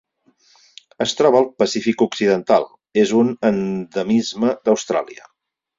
Es troba al Pacífic occidental: és un endemisme d'Austràlia.